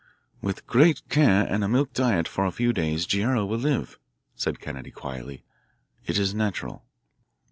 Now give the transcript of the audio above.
"With great care and a milk diet for a few days Guerrero will live," said Kennedy quietly. "It is natural."